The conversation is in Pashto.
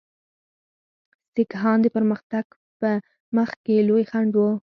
سیکهان د پرمختګ په مخ کې لوی خنډ وو.